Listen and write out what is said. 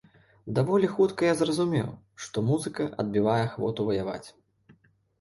Даволі хутка я зразумеў, што музыка адбівае ахвоту ваяваць.